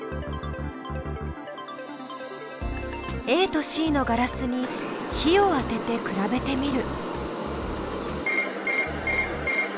ＡとＣのガラスに火を当てて比べてみる。